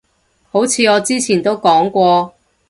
好似我之前都講過